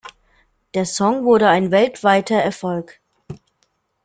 Der Song wurde ein weltweiter Erfolg.